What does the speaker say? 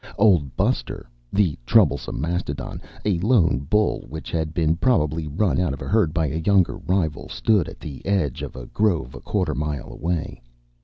Old Buster, the troublesome mastodon, a lone bull which had been probably run out of a herd by a younger rival, stood at the edge of a grove a quarter mile away.